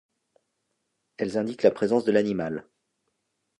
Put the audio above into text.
Elles indiquent la présence de l'animal.